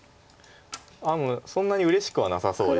そんなにうれしくはなさそうです。